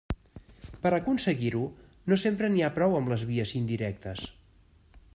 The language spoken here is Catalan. Per a aconseguir-ho, no sempre n'hi ha prou amb les vies indirectes.